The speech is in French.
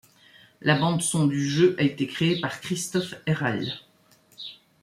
La bande-son du jeu a été créé par Christophe Heral.